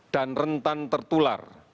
dan rentan tertular